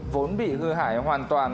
vốn bị hư hại hoàn toàn